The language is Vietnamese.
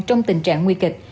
trong tình trạng nguy kịch